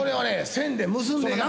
線で結んでいかな。